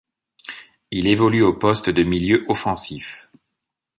Il évolue au poste de milieu offensif.